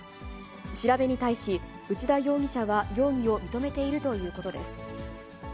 調べに対し、内田容疑者は容疑を認めているということです。